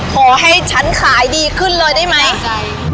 ขอให้ฉันขายดีขึ้นเลยได้ไหมใช่